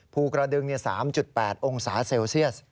ภูกระดึง๓๘องศาเซลเซียส